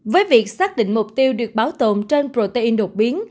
với việc xác định mục tiêu được bảo tồn trên protein đột biến